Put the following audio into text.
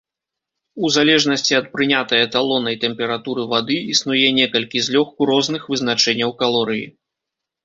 У залежнасці ад прынятай эталоннай тэмпературы вады, існуе некалькі злёгку розных вызначэнняў калорыі.